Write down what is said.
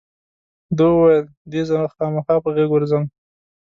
ده وویل وی دې زه خامخا په غېږ ورځم.